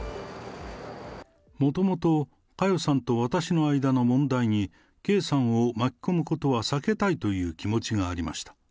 もともと佳代さんと私の間の問題に圭さんを巻き込むことは避けたいという気持ちがありました。